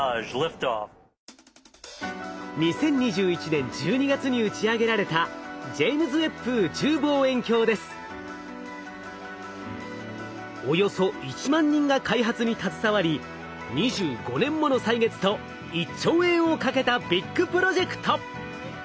２０２１年１２月に打ち上げられたおよそ１万人が開発に携わり２５年もの歳月と１兆円をかけたビッグプロジェクト！